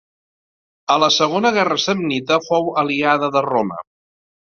A la segona guerra samnita fou aliada de Roma.